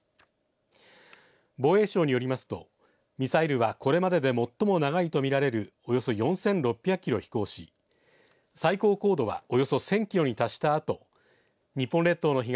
防衛省によりますとミサイルは、これまでで最も長いと見られるおよそ４６００キロを飛行し最高高度はおよそ１０００キロに達したあと日本列島の東